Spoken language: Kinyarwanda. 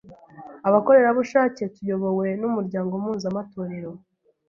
abakorerabushake tuyobowe n’umuryango mpuzamatorero,